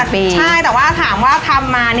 ใช่แต่ว่าถามว่าทำมา